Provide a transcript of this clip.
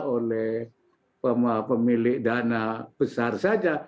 oleh pemilik dana besar saja